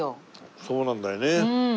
そうなんだよね。